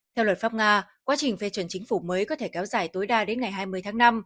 theo luật pháp nga quá trình phê chuẩn chính phủ mới có thể kéo dài tối đa đến ngày hai mươi tháng năm